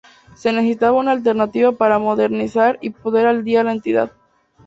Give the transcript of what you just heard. Se necesitaba una alternativa para modernizar y poner al día a la entidad.